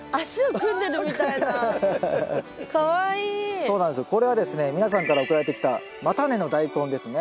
そうなんですよこれはですね皆さんから送られてきた叉根のダイコンですね。